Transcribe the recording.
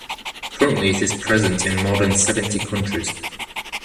Currently it is present in more than seventy countries.